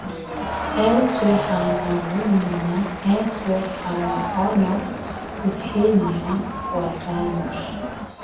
Eswe hana vulumuna, eswe kanahono uhenya wa zambi.